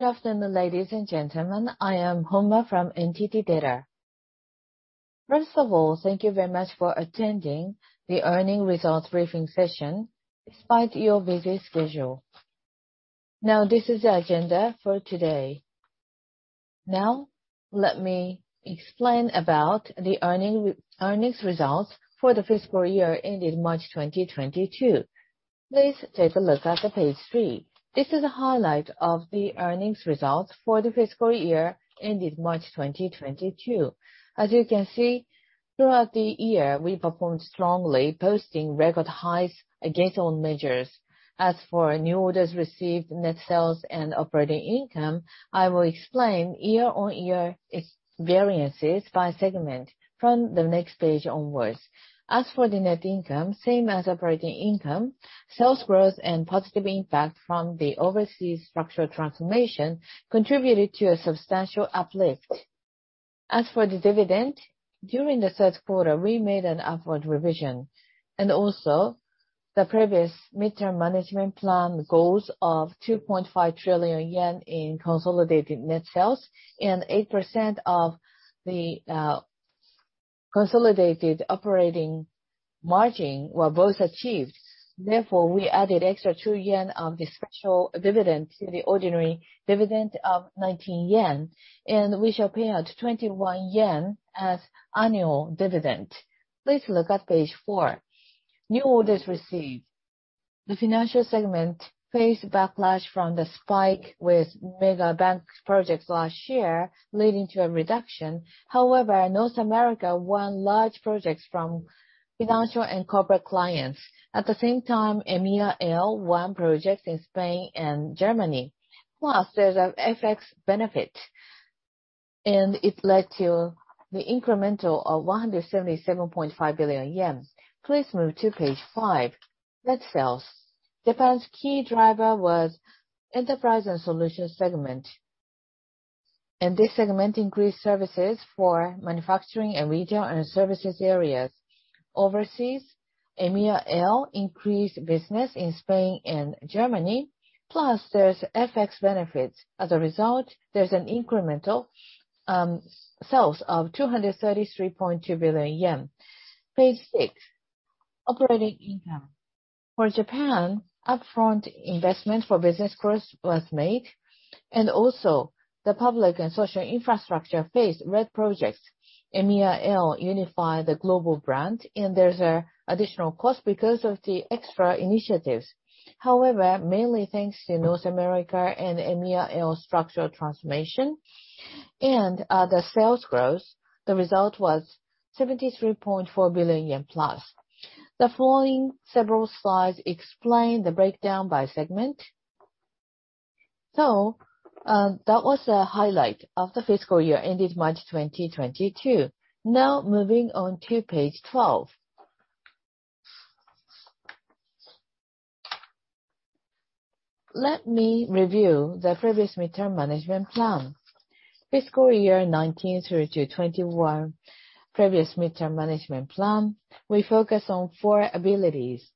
Good afternoon, ladies and gentlemen. I am Yo Honma from NTT DATA. First of all, thank you very much for attending the earnings results briefing session despite your busy schedule. This is the agenda for today. Let me explain about the earnings results for the fiscal year ended March 2022. Please take a look at page three. This is a highlight of the earnings results for the fiscal year ended March 2022. As you can see, throughout the year, we performed strongly, posting record highs against all measures. As for new orders received, net sales, and operating income, I will explain year-on-year variances by segment from the next page onwards. As for the net income, same as operating income, sales growth and positive impact from the overseas structural transformation contributed to a substantial uplift. As for the dividend, during the third quarter, we made an upward revision. The previous midterm management plan goals of 2.5 trillion yen in consolidated net sales and 8% of the consolidated operating margin were both achieved. Therefore, we added extra 2 yen on the special dividend to the ordinary dividend of 19 yen, and we shall pay out 21 yen as annual dividend. Please look at page four. New orders received. The financial segment faced backlash from the spike with mega bank projects last year, leading to a reduction. However, North America won large projects from financial and corporate clients. At the same time, EMEAL won projects in Spain and Germany, plus there's an FX benefit, and it led to the incremental of 177.5 billion yen. Please move to page five. Net sales. Japan's key driver was Enterprise & Solutions Segment. This segment increased services for manufacturing in regional and services areas. Overseas, EMEAL increased business in Spain and Germany, plus there are FX benefits. As a result, there is an incremental sales of 233.2 billion yen. Page six, operating income. For Japan, upfront investment for business growth was made, and also the Public & Social Infrastructure Segment faced red projects. EMEAL unified the global brand, and there is an additional cost because of the extra initiatives. However, mainly thanks to North America and EMEAL structural transformation and the sales growth, the result was 73.4 billion yen plus. The following several slides explain the breakdown by segment. That was a highlight of the fiscal year ended March 2022. Now moving on to page 12. Let me review the previous midterm management plan. Fiscal year 2019 through to 2021 previous midterm management plan, we focus on four abilities.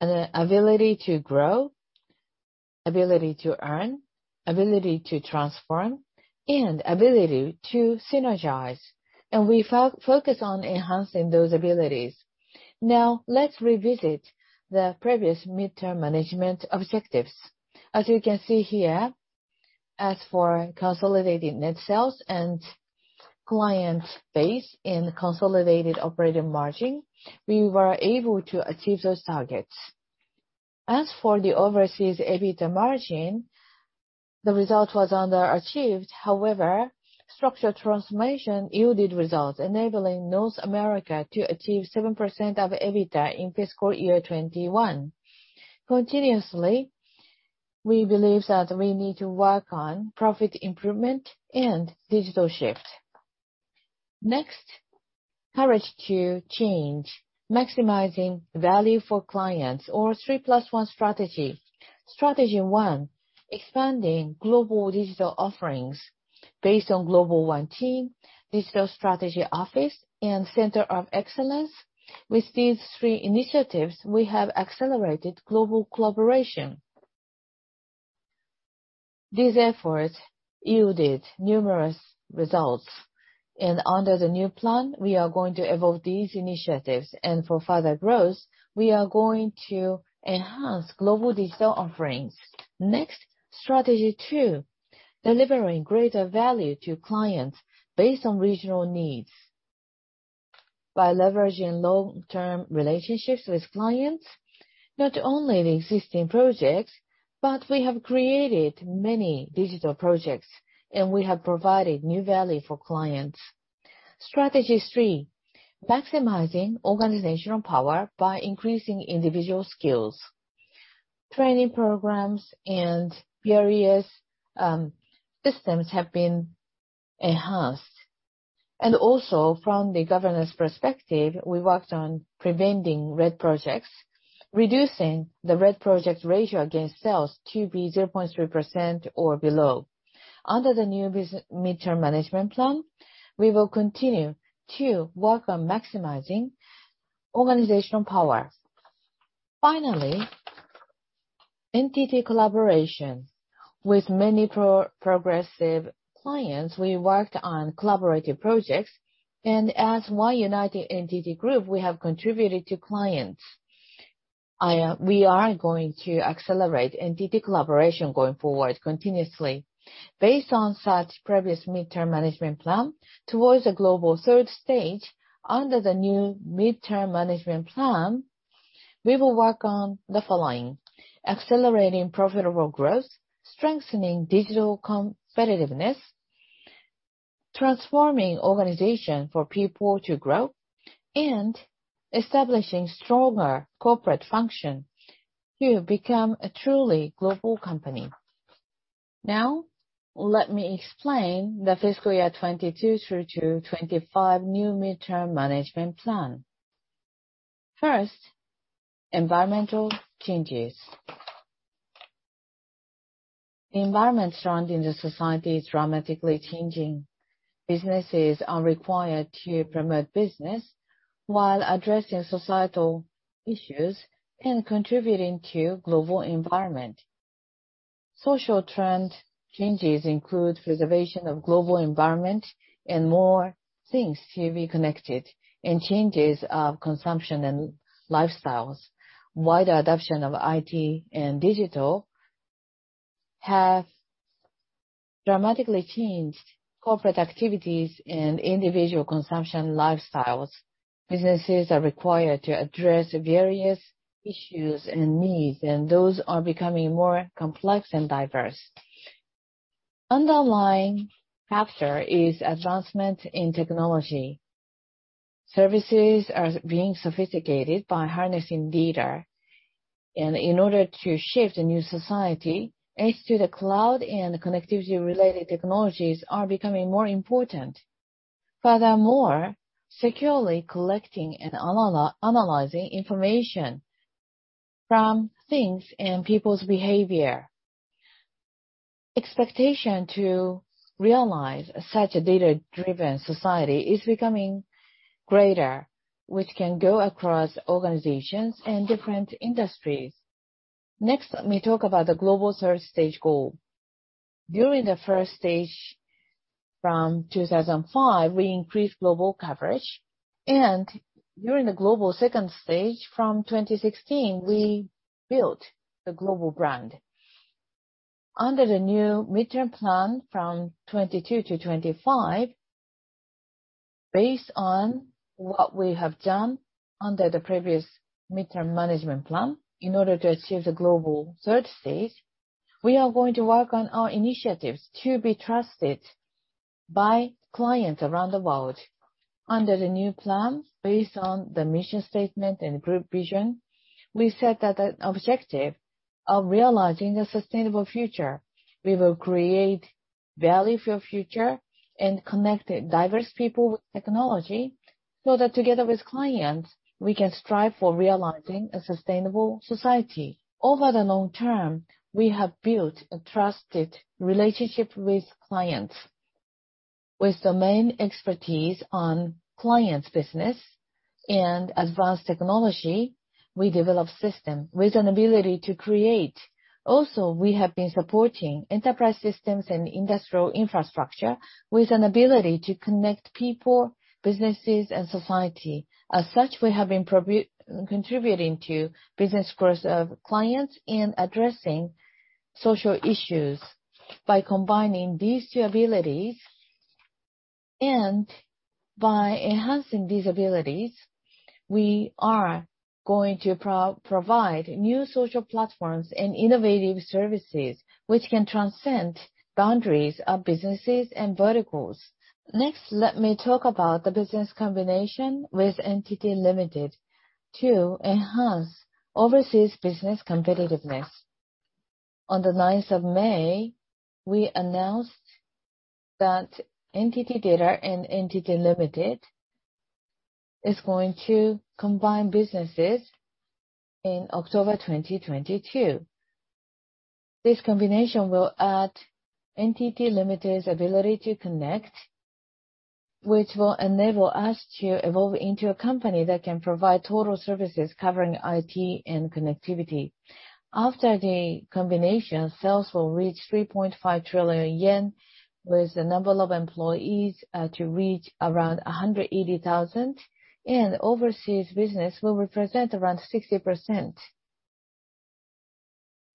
Ability to grow, ability to earn, ability to transform, and ability to synergize, and we focus on enhancing those abilities. Now, let's revisit the previous midterm management objectives. As you can see here, as for consolidated net sales and client base in consolidated operating margin, we were able to achieve those targets. As for the overseas EBITDA margin, the result was underachieved. However, structural transformation yielded results, enabling North America to achieve 7% of EBITDA in fiscal year 2021. Continuously, we believe that we need to work on profit improvement and digital shift. Next, courage to change, maximizing value for clients, our 3+1 strategy. Strategy one, expanding global digital offerings based on Global One Team, Digital Strategy Office, and Center of Excellence. With these three initiatives, we have accelerated global collaboration. These efforts yielded numerous results. Under the new plan, we are going to evolve these initiatives. For further growth, we are going to enhance global digital offerings. Next, strategy two, delivering greater value to clients based on regional needs. By leveraging long-term relationships with clients, not only the existing projects, but we have created many digital projects, and we have provided new value for clients. Strategy three, maximizing organizational power by increasing individual skills. Training programs and various systems have been enhanced. Also, from the governance perspective, we worked on preventing red projects, reducing the red project ratio against sales to be 0.3% or below. Under the new mid-term management plan, we will continue to work on maximizing organizational power. Finally, NTT collaboration. With many progressive clients, we worked on collaborative projects, and as one united NTT Group, we have contributed to clients. We are going to accelerate NTT collaboration going forward continuously. Based on such previous midterm management plan towards Global 3rd Stage, under the new midterm management plan, we will work on the following, accelerating profitable growth, strengthening digital competitiveness, transforming organization for people to grow, and establishing stronger corporate function to become a truly global company. Now, let me explain the fiscal year 2022 through 2025 new midterm management plan. First, environmental changes. The environmental trend in the society is dramatically changing. Businesses are required to promote business while addressing societal issues and contributing to global environment. Social trend changes include preservation of global environment and more things to be connected, and changes of consumption and lifestyles. Wider adoption of IT and digital have dramatically changed corporate activities and individual consumption lifestyles. Businesses are required to address various issues and needs, and those are becoming more complex and diverse. Underlying factor is advancement in technology. Services are being sophisticated by harnessing data. In order to shape the new society, edge-to-cloud and connectivity-related technologies are becoming more important. Furthermore, securely collecting and analyzing information from things and people's behavior. Expectation to realize such a data-driven society is becoming greater, which can go across organizations and different industries. Next, let me talk about the Global 3rd Stage goal. During the first stage from 2005, we increased global coverage. During the Global 2nd Stage from 2016, we built the global brand. Under the new midterm plan from 2022 to 2025, based on what we have done under the previous midterm management plan, in order to achieve the Global 3rd Stage, we are going to work on our initiatives to be trusted by clients around the world. Under the new plan, based on the mission statement and group vision, we set out an objective of realizing a sustainable future. We will create value for future and connect diverse people with technology so that together with clients, we can strive for realizing a sustainable society. Over the long term, we have built a trusted relationship with clients. With the main expertise on clients' business and advanced technology, we develop system with an ability to create. Also, we have been supporting enterprise systems and industrial infrastructure with an ability to connect people, businesses, and society. As such, we have been contributing to business growth of clients in addressing social issues. By combining these two abilities and by enhancing these abilities, we are going to provide new social platforms and innovative services which can transcend boundaries of businesses and verticals. Next, let me talk about the business combination with NTT Ltd to enhance overseas business competitiveness. On the ninth of May, we announced that NTT DATA and NTT Ltd is going to combine businesses in October 2022. This combination will add NTT Ltd's ability to connect, which will enable us to evolve into a company that can provide total services covering IT and connectivity. After the combination, sales will reach 3.5 trillion yen, with the number of employees to reach around 180,000, and overseas business will represent around 60%.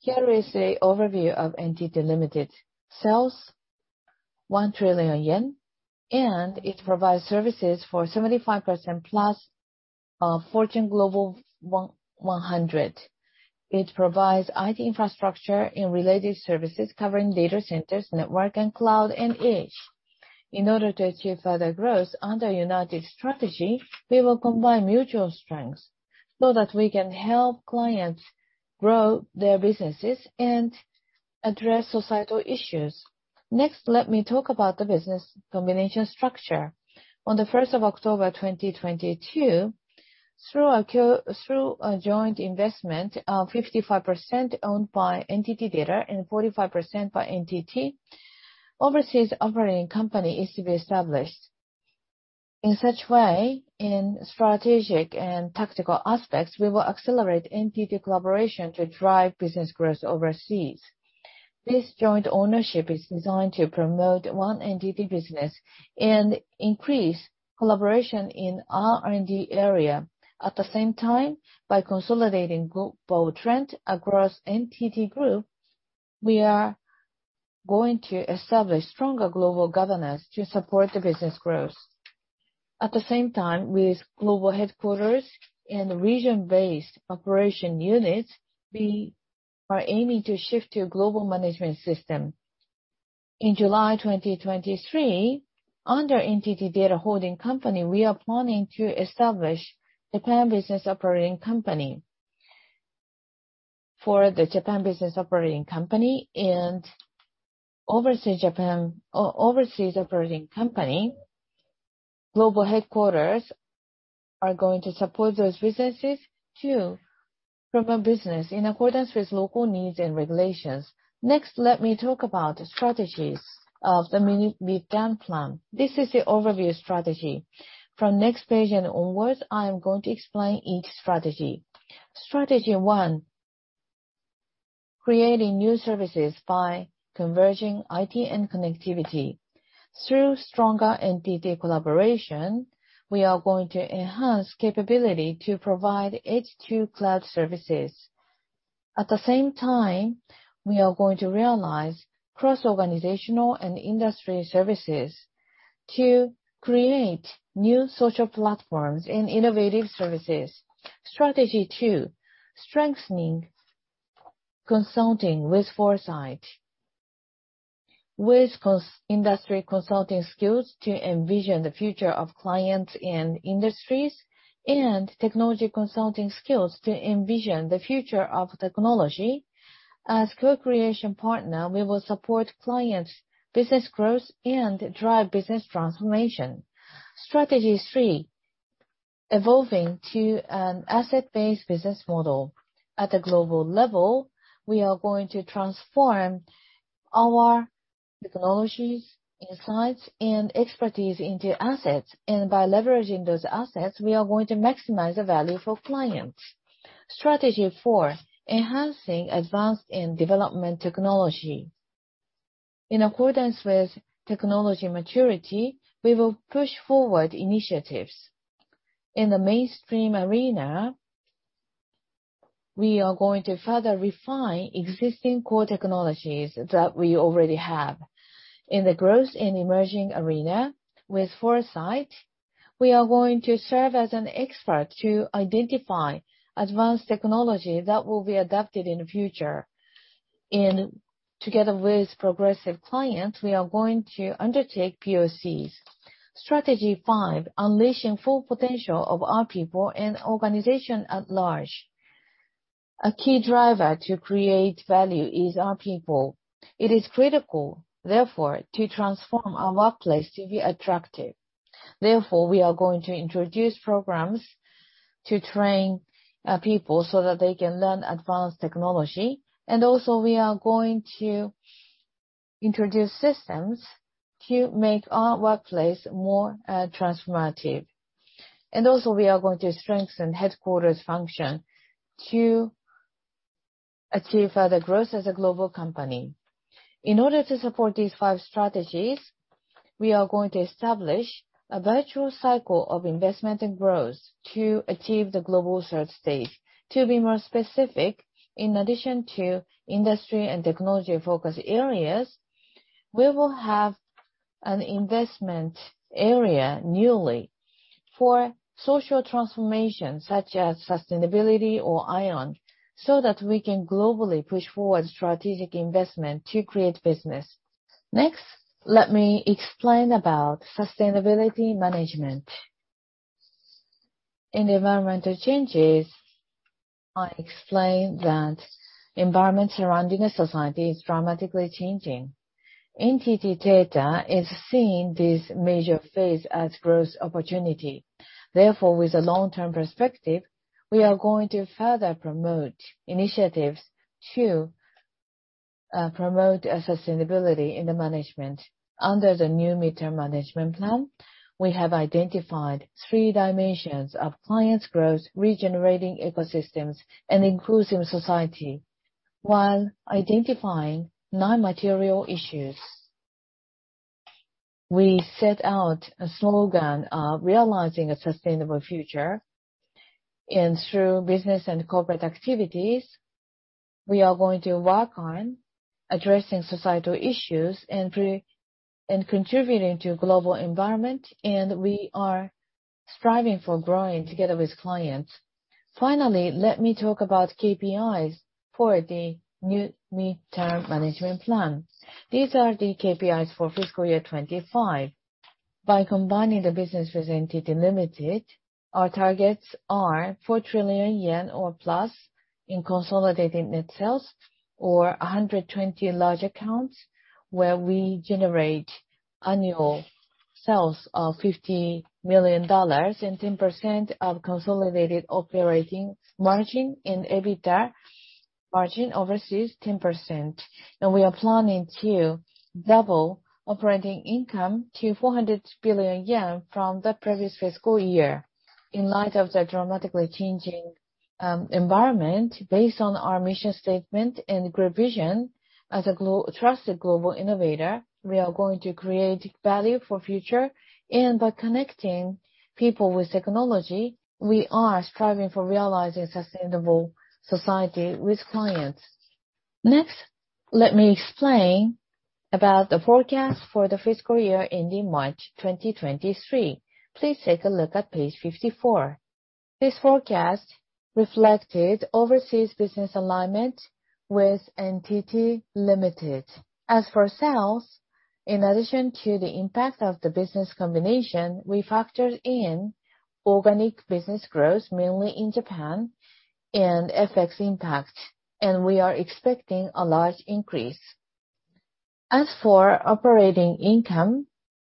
Here is an overview of NTT Ltd. Sales of 1 trillion yen, and it provides services for 75%+ of Fortune Global 100. It provides IT infrastructure and related services covering data centers, network, and cloud, and edge. In order to achieve further growth under United Strategy, we will combine mutual strengths so that we can help clients grow their businesses and address societal issues. Next, let me talk about the business combination structure. On October 1, 2022, through a joint investment of 55% owned by NTT DATA and 45% by NTT DATA, Inc. is to be established. In such way, in strategic and tactical aspects, we will accelerate NTT collaboration to drive business growth overseas. This joint ownership is designed to promote one NTT business and increase collaboration in our R&D area. At the same time, by consolidating global trend across NTT Group, we are going to establish stronger global governance to support the business growth. At the same time, with global headquarters and region-based operation units, we are aiming to shift to global management system. In July 2023, under NTT DATA holding company, we are planning to establish Japan business operating company. For the Japan business operating company and overseas Japan operating company, global headquarters are going to support those businesses to promote business in accordance with local needs and regulations. Next, let me talk about the strategies of the mid-term plan. This is the overview strategy. From next page and onwards, I am going to explain each strategy. Strategy one, creating new services by converging IT and connectivity. Through stronger NTT collaboration, we are going to enhance capability to provide edge-to-cloud services. At the same time, we are going to realize cross-organizational and industry services to create new social platforms and innovative services. Strategy two, strengthening consulting with foresight. With industry consulting skills to envision the future of clients and industries, and technology consulting skills to envision the future of technology, as co-creation partner, we will support clients' business growth and drive business transformation. Strategy three, evolving to an asset-based business model. At a global level, we are going to transform our technologies, insights, and expertise into assets, and by leveraging those assets, we are going to maximize the value for clients. Strategy four, enhancing advanced and development technology. In accordance with technology maturity, we will push forward initiatives. In the mainstream arena, we are going to further refine existing core technologies that we already have. In the growth and emerging arena with foresight, we are going to serve as an expert to identify advanced technology that will be adapted in the future. Together with progressive clients, we are going to undertake POCs. Strategy five, unleashing full potential of our people and organization at large. A key driver to create value is our people. It is critical, therefore, to transform our workplace to be attractive. Therefore, we are going to introduce programs to train people so that they can learn advanced technology, and also we are going to introduce systems to make our workplace more transformative. Also, we are going to strengthen headquarters' function to achieve further growth as a global company. In order to support these five strategies, we are going to establish a virtual cycle of investment and growth to achieve the Global 3rd Stage. To be more specific, in addition to industry and technology focus areas, we will have an investment area newly for social transformation such as sustainability or IOWN, so that we can globally push forward strategic investment to create business. Next, let me explain about sustainability management. In environmental changes, I explained that environment surrounding a society is dramatically changing. NTT DATA is seeing this major phase as growth opportunity. Therefore, with a long-term perspective, we are going to further promote initiatives to promote a sustainability in the management. Under the new midterm management plan, we have identified three dimensions of clients growth, regenerating ecosystems, and inclusive society, while identifying nine material issues. We set out a slogan of realizing a sustainable future, and through business and corporate activities, we are going to work on addressing societal issues and contributing to global environment, and we are striving for growing together with clients. Finally, let me talk about KPIs for the new midterm management plan. These are the KPIs for fiscal year 2025. By combining the business with NTT Ltd, our targets are 4 trillion yen or more in consolidated net sales, 120 large accounts, where we generate annual sales of $50 million, and 10% consolidated operating margin, EBITDA margin overseas 10%. We are planning to double operating income to 400 billion yen from the previous fiscal year. In light of the dramatically changing environment, based on our mission statement and group vision as a globally trusted global innovator, we are going to create value for future. By connecting people with technology, we are striving for realizing sustainable society with clients. Next, let me explain about the forecast for the fiscal year ending March 2023. Please take a look at page 54. This forecast reflected overseas business alignment with NTT Ltd. As for sales, in addition to the impact of the business combination, we factored in organic business growth, mainly in Japan and FX impact, and we are expecting a large increase. As for operating income,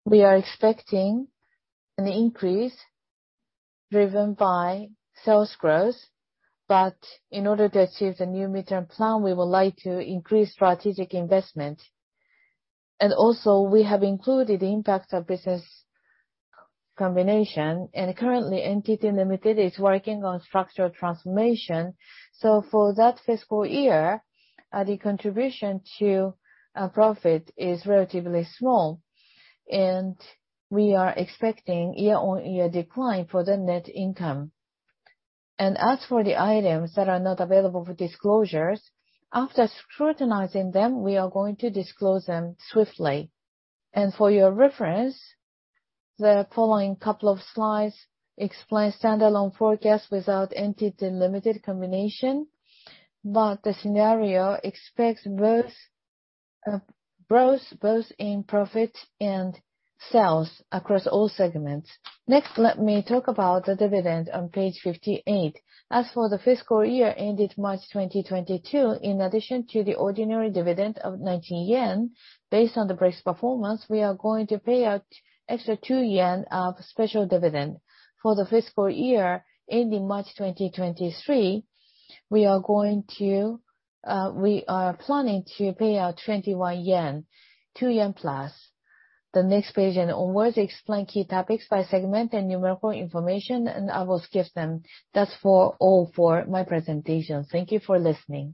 we are expecting an increase driven by sales growth. In order to achieve the new midterm plan, we would like to increase strategic investment. Also we have included the impact of business combination. Currently, NTT Ltd is working on structural transformation. For that fiscal year, the contribution to profit is relatively small, and we are expecting year-on-year decline for the net income. As for the items that are not available for disclosures, after scrutinizing them, we are going to disclose them swiftly. For your reference, the following couple of slides explain standalone forecasts without NTT Ltd combination. The scenario expects both in profit and sales across all segments. Next, let me talk about the dividend on page 58. As for the fiscal year ending March 2022, in addition to the ordinary dividend of 19 yen, based on the year's performance, we are going to pay out extra 2 yen of special dividend. For the fiscal year ending March 2023, we are planning to pay out 21 yen, 2+ yen. The next page onwards explain key topics by segment and numerical information, and I will skip them. That's all for my presentation. Thank you for listening.